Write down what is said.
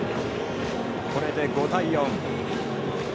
これで５対４。